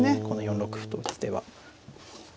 この４六歩と打つ手は。